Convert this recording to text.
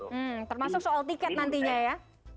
hmm termasuk soal tiket nantinya ya